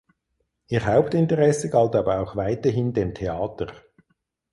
Ihr Hauptinteresse galt aber auch weiterhin dem Theater.